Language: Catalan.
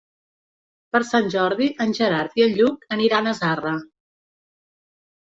Per Sant Jordi en Gerard i en Lluc aniran a Zarra.